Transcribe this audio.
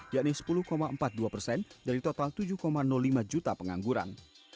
yakni sepuluh empat puluh dua persen dari total tujuh lima juta pengangguran